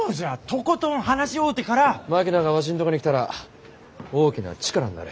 槙野がわしのとこに来たら大きな力になる。